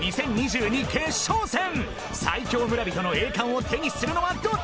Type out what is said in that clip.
最強村人の栄冠を手にするのはどっち⁉